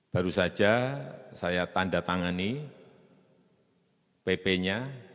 baru saja saya tanda tangani pp nya